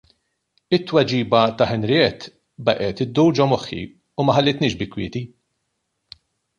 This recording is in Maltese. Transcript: It-tweġiba ta' Henriette baqgħet iddur ġo moħħi u ma ħallitnix bi kwieti.